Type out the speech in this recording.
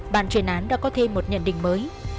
bàn truyền án đã có thêm một nhận định mới